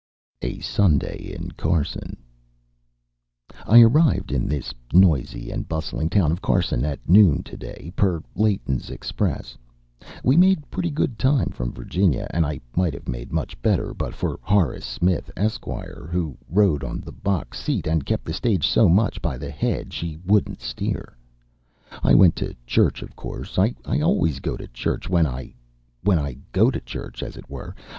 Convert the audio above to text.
A SUNDAY IN CARSON I arrived in this noisy and bustling town of Carson at noon to day, per Layton's express. We made pretty good time from Virginia, and might have made much better, but for Horace Smith, Esq., who rode on the box seat and kept the stage so much by the head she wouldn't steer. I went to church, of course, I always go to church when I when I go to church as it were.